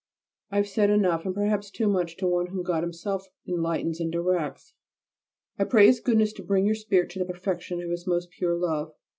I have said enough, and perhaps too much, to one whom God Himself enlightens and directs. I pray His Goodness to bring your spirit to the perfection of His most pure love.